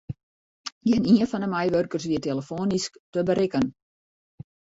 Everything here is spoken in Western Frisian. Gjinien fan de meiwurkers wie telefoanysk te berikken.